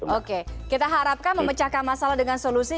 oke kita harapkan memecahkan masalah dengan solusi